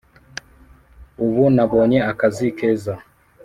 Ubu nabonye akazi keza